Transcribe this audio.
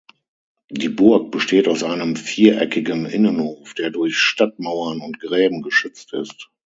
Die Burg besteht aus einem viereckigen Innenhof, der durch Stadtmauern und Gräben geschützt ist.